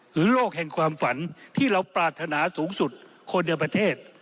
โลกแห่งความฝันที่เราปรารถนาสูงสุดคนในประเทศ